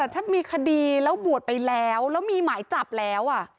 ถ้ามีคดีแล้วบวชไปแล้วแล้วมีหมายจับแล้ว